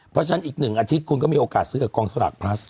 เพราะฉะนั้นอีก๑อาทิตย์คุณก็มีโอกาสซื้อกับกองสลากพลัส